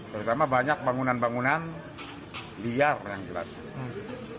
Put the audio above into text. terutama banyak bangunan bangunan liar yang jelas